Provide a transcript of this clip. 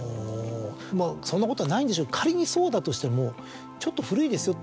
そんなことはないんでしょうけど仮にそうだとしても「ちょっと古いですよ」